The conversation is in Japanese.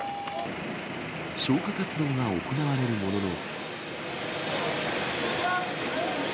消火活動が行われるものの。